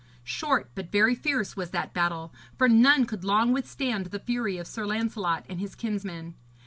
Short but very fierce was that battle, for none could long withstand the fury of Sir Lancelot and his kinsmen.